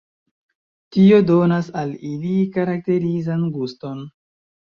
Tio donas al ili karakterizan guston.